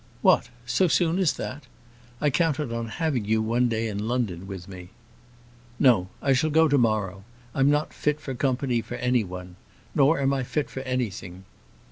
"What! so soon as that? I counted on having you one day in London with me." "No, I shall go to morrow. I'm not fit for company for any one. Nor am I fit for anything.